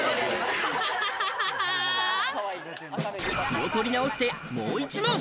気を取り直して、もう１問。